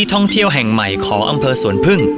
ท่องเที่ยวแห่งใหม่ของอำเภอสวนพึ่ง